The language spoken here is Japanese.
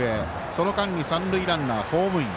その間に三塁ランナーホームイン。